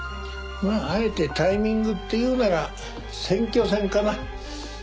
まああえてタイミングっていうなら選挙戦かな。